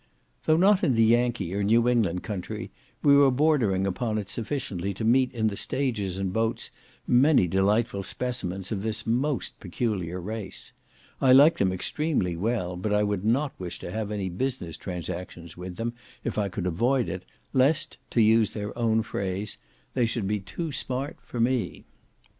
Though not in the Yankee or New England country, we were bordering upon it sufficiently to meet in the stages and boats many delightful specimens of this most peculiar race. I like them extremely well, but I would not wish to have any business transactions with them, if I could avoid it, lest, to use their own phrase, "they should be too smart for me."